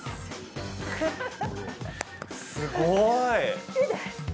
すごい！